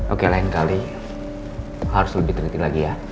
oke lain kali harus lebih teliti lagi ya